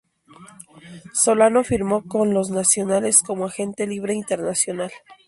Solano firmó con los Nacionales como agente libre internacional.